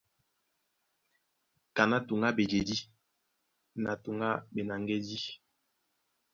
Kaná tǔŋ á ɓejedí na tǔŋ á ɓenaŋgédí.